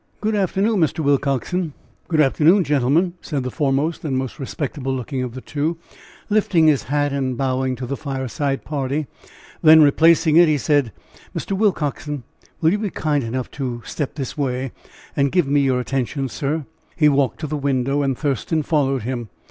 "Good afternoon, Mr. Willcoxen good afternoon, gentlemen," said the foremost and most respectable looking of the two, lifting his hat and bowing to the fireside party. Then replacing it, he said: "Mr. Willcoxen, will you be kind enough to step this way and give me your attention, sir." He walked to the window, and Thurston followed him.